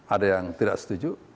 ada yang tidak setuju